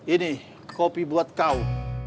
ini kopi buat kau